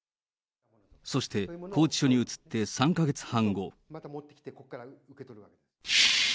そして、拘置所に移って３か月半後。